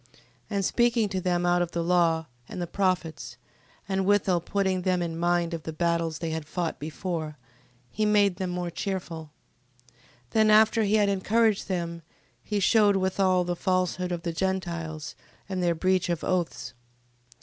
15:9. And speaking to them out of the law, and the prophets, and withal putting them in mind of the battles they had fought before, he made them more cheerful: 15:10. Then after he had encouraged them, he shewed withal the falsehood of the Gentiles, and their breach of oaths.